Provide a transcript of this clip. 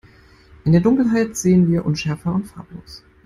In der Dunkelheit sehen wir unschärfer und farblos.